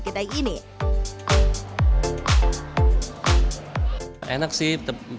kita ingin menikmati hidangan ini